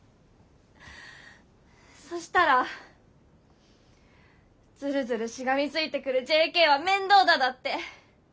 そしたら「ずるずるしがみついてくるＪＫは面倒だ」だって。